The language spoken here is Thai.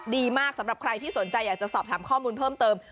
ดีมากสำหรับใครที่สนใจอยากจะสอบถามข้อมูลเพิ่มเติม